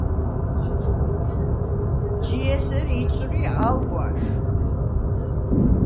ჯი ესერ იწვრი ალ გვაშვ.